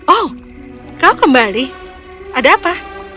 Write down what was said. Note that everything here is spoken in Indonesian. oh kau kembali ada apa